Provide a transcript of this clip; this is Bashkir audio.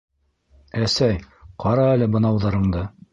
Әсәй, ҡара әле бынауҙарыңды.